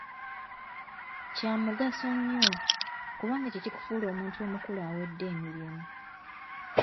Kya mugaso nnyo, kubanga kye kikufuula omuntu omukulu awedde emirimu.